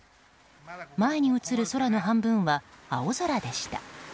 前に映る空の半分は青空でした。